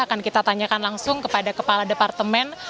akan kita tanyakan langsung kepada kepala departemen